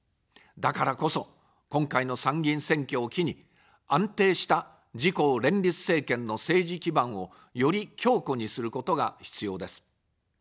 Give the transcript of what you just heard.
だからこそ、今回の参議院選挙を機に、安定した自公連立政権の政治基盤をより強固にすることが必要です。